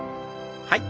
はい。